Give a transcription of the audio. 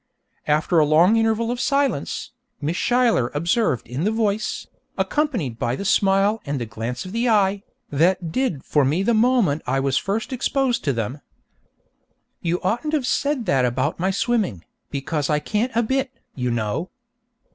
After a long interval of silence, Miss Schuyler observed in the voice, accompanied by the smile and the glance of the eye, that 'did' for me the moment I was first exposed to them: 'You oughtn't to have said that about my swimming, because I can't a bit, you know.'